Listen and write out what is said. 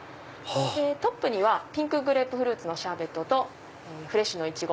トップにはピンクグレープフルーツのシャーベットとフレッシュのイチゴ。